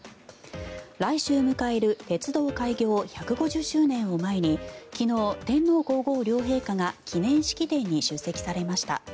来週迎える鉄道開業１５０周年を前に昨日、天皇・皇后両陛下が記念式典に出席されました。